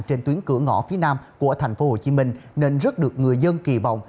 trên tuyến cửa ngõ phía nam của tp hcm nên rất được người dân kỳ vọng